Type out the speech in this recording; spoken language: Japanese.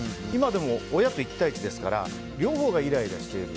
今では親と１対１ですから両方がイライラしている。